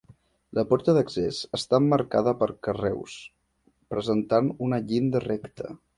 La porta d'accés està emmarcada per carreus, presentant una llinda recta.